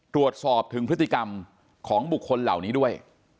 ตรวจสอบถึงพฤติกรรมของบุคคลเหล่านี้ด้วย